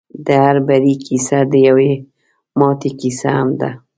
د هر بري کيسه د يوې ماتې کيسه هم ده.